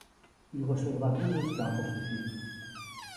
Il recevra deux Oscars pour ce film.